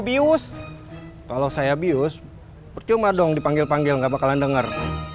abius kalau saya bius percuma dong dipanggil panggil nggak bakalan dengar